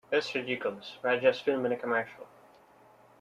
That's ridiculous, we're just filming a commercial.